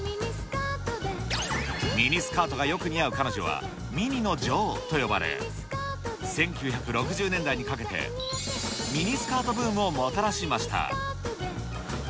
ミニスカートがよく似合う彼女はミニの女王と呼ばれ、１９６０年代にかけて、ミニスカートブームをもたらしました。